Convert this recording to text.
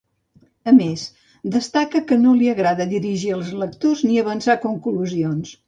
A més, destaca que no li agrada dirigir els lectors ni avançar conclusions.